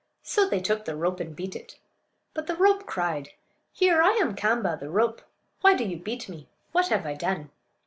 So they took the rope and beat it. But the rope cried: "Here! I am Kaam'ba, the rope. Why do you beat me? What have I done?"